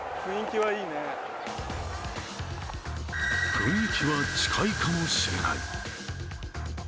雰囲気は近いかもしれない。